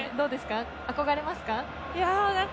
憧れますか？